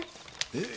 えっ？